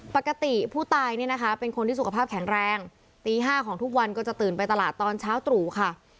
ปกติผู้ตายเนี่ยนะคะเป็นคนที่สุขภาพแข็งแรงตี๕ของทุกวันก็จะตื่นไปตลาดตอนเช้าตรู่ค่ะ